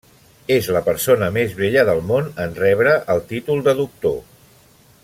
És la persona més vella del món en rebre el títol de doctor.